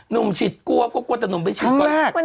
นุ่มฉีดกลัวกลัวแต่นุ่มไปฉีดก่อน